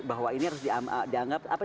bahwa ini harus dianggap apa